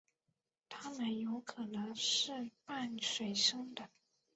它们有可能是半水生的。